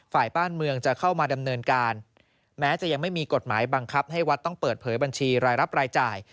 ฝ่ายบ้านเมืองจะเข้ามาดำเนินการแม้จะยังไม่มีกฎหมายบังคับให้วัดต้องเปิดเผยบัญชีรายรับรายจ่าย